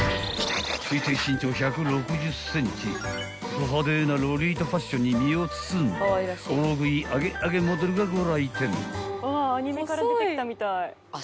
［ド派手なロリータファッションに身を包んだ大食い揚げ揚げモデルがご来店］